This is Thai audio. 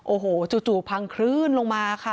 โอ้โหจู่พังคลื่นลงมาค่ะ